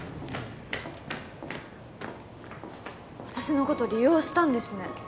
私のこと利用したんですね